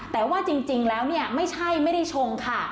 แต่ว่าจริงแล้วเนี่ยไม่ใช่ไม่ได้ชงค่ะ